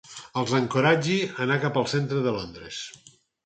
Els encoratgi a anar cap al centre de Londres.